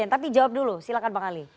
tapi jawab dulu silahkan bang ali